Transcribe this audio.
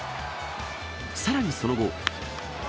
さらにその後。